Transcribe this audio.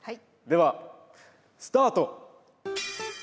ではスタート！